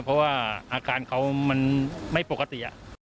เพราะว่าอาการเขามันไม่ปกติ